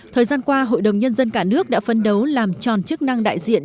thời gian qua hội đồng nhân dân cả nước đã phân đấu làm tròn chức năng đại diện